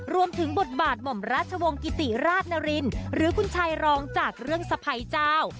รวมถึงบทบาทหม่อมราชวงศ์กิติราชนารินหรือคุณชายรองจากเรื่องสะพ้ายเจ้า